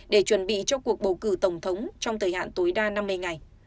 để chuẩn bị cho cuộc bầu cử tổng thống trong thời hạn tối đa năm mươi ngày